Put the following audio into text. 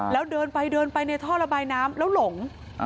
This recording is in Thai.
แล้วเดินไปเดินไปในท่อระบายน้ำแล้วหลง